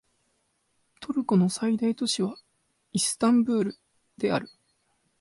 トルコの最大都市はイスタンブールである